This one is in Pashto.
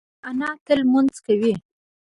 انا تل لمونځ کوي